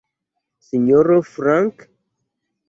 Sinjoro Frank?